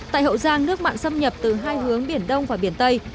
tại hậu giang nước mặn xâm nhập từ hai hướng biển đông và biển tây